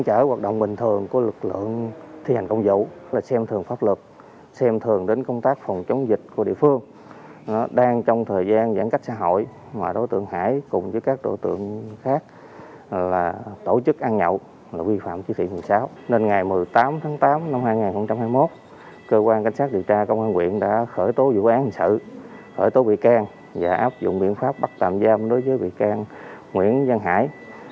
cơ quan cảnh sát điều tra công an nguyện đã khởi tố vụ án hình sự khởi tố bị can và áp dụng biện pháp bắt tạm giam đối với bị can nguyễn văn hải